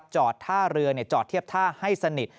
จอดท่าเรือจอดเทียบท่าให้สนิท